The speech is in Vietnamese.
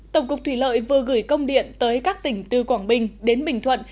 tổng cục thủy lợi vừa gửi công điện tới các tỉnh từ quảng bình đến bình thuận